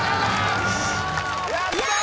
やったー！